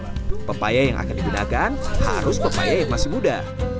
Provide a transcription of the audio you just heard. nah pepaya yang akan digunakan harus pepaya yang masih muda